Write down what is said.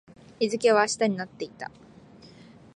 日付は明日になっていた